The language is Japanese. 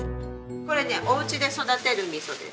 これねおうちで育てる味噌です。